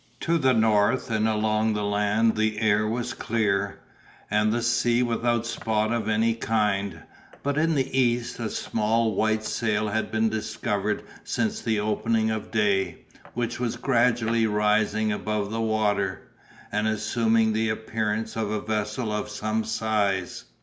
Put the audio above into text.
To the north and along the land the air was clear, and the sea without spot of any kind; but in the east a small white sail had been discovered since the opening of day, which was gradually rising above the water, and assuming the appearance of a vessel of some size.